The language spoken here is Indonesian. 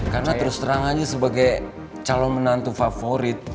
karena terus terang aja sebagai calon menantu favorit